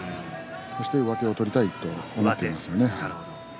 そして、上手を取りたいと思っているでしょうね。